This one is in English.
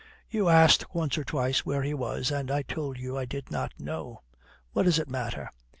"You asked once or twice where he was, and I told you I did not know. What does it matter?"